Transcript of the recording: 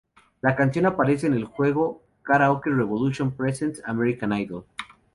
La canción aparece en el juego Karaoke Revolution Presents: American Idol.